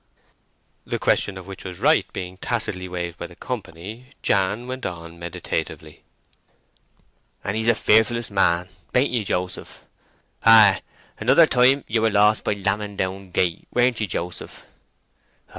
The question of which was right being tacitly waived by the company, Jan went on meditatively:— "And he's the fearfullest man, bain't ye, Joseph? Ay, another time ye were lost by Lambing Down Gate, weren't ye, Joseph?"